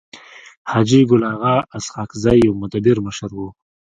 حاجي ګل اغا اسحق زی يو مدبر مشر وو.